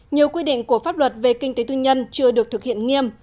nhiều quy định của pháp luật về kinh tế tư nhân chưa được thực hiện nghiêm